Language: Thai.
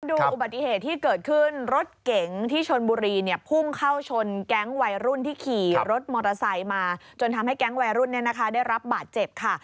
ดูอุบัติเหตุที่เกิดขึ้นรถเก๋งที่ชนบุรีเนี่ยพุ่งเข้าชนแก๊งวัยรุ่นที่ขี่รถมอเตอร์ไซค์มาจนทำให้แก๊งวัยรุ่นเนี่ยนะคะได้รับบาดเจ็บค่ะ